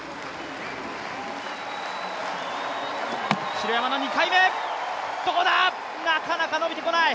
城山の２回目、どうだ、なかなか伸びてこない。